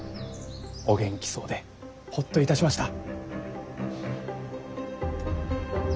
お元気そうでほっといたしました。